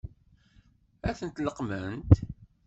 Ad tent-leqqment?